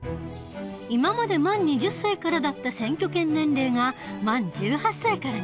今まで満２０歳からだった選挙権年齢が満１８歳からになった。